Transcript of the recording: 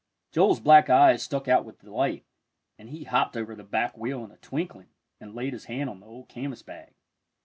Joel's black eyes stuck out with delight, and he hopped over the back wheel in a twinkling and laid his hand on the old canvas bag.